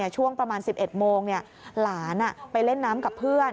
ช่วงประมาณ๑๑โมงหลานไปเล่นน้ำกับเพื่อน